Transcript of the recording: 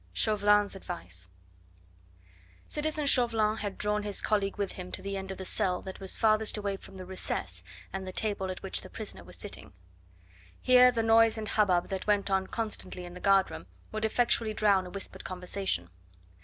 CHAUVELIN'S ADVICE Citizen Chauvelin had drawn his colleague with him to the end of the cell that was farthest away from the recess, and the table at which the prisoner was sitting. Here the noise and hubbub that went on constantly in the guard room would effectually drown a whispered conversation.